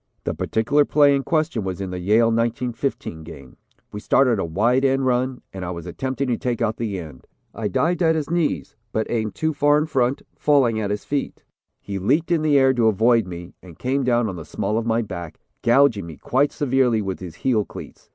The particular play in question was in the Yale 1915 game. We started a wide end run, and I was attempting to take out the end. I dived at his knees but aimed too far in front, falling at his feet. He leaped in the air to avoid me, and came down on the small of my back, gouging me quite severely with his heel cleats.